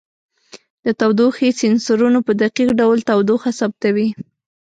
د تودوخې سینسرونو په دقیق ډول تودوخه ثبتوي.